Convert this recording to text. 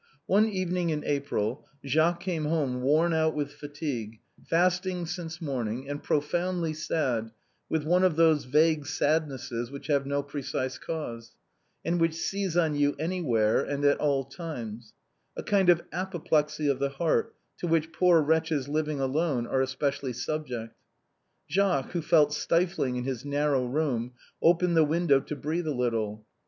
One evening in April Jacques came home worn out with fatigue, fasting since morning, and pro foundly sad with one of those vague sadnesses which have no precise cause, and which seize on you anywhere and at all times; a kind of apoplexy of the heart to which poor wretches living alone are especially subject. Jacques, who felt stifling in his narrow room, opened the window to breathe a little.